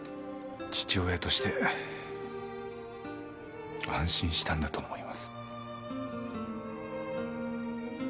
父親として安心したんだと思います。